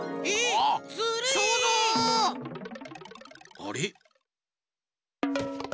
あれ？